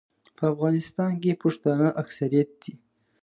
په افغانستان کې پښتانه اکثریت دي.